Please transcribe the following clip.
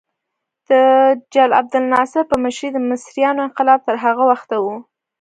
د جل عبدالناصر په مشرۍ د مصریانو انقلاب تر هغه وخته و.